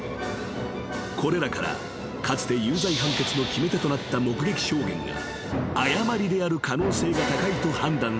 ［これらからかつて有罪判決の決め手となった目撃証言が誤りである可能性が高いと判断され］